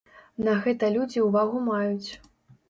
На гэта людзі ўвагу маюць.